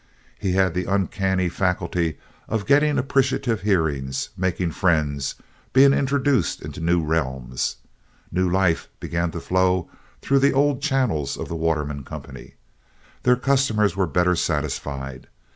He had an uncanny faculty for getting appreciative hearings, making friends, being introduced into new realms. New life began to flow through the old channels of the Waterman company. Their customers were better satisfied.